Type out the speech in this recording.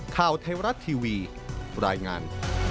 ข่าวไทยรัฐทีวีรายงาน